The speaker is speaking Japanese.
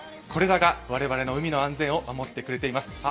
これらが我々の海の安全を守ってくれています。